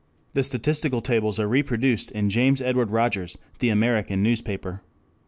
(The statistical tables are reproduced in James Edward Rogers, The American Newspaper.)